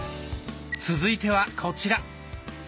続いてはこちら。